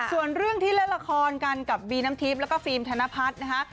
ส่วนเรื่องที่เล่นละครกันกับบีน้ำทิพย์แล้วก็ฟิล์มธนพัฒน์นะคะ